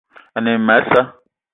Ane e ma a sa'a